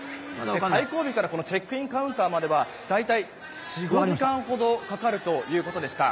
最後尾からチェックインカウンターまでは大体４５時間ほどかかるということでした。